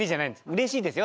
うれしいですよ